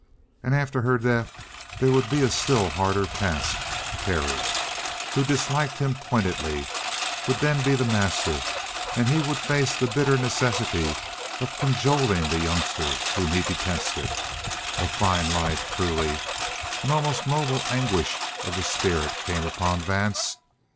And after her death there would be a still harder task. Terry, who disliked him pointedly, would then be the master, and he would face the bitter necessity of cajoling the youngster whom he detested. A fine life, truly! An almost noble anguish of the spirit came upon Vance.